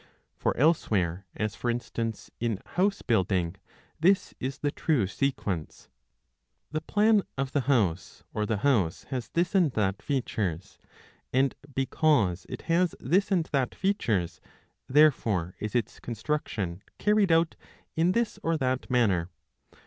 For elsewhere, as for instance in house building, this is the true sequence. The plan of the house, or the house, has this and that features ; and because it has this and that features, therefore is its construction carried out in this or that manner.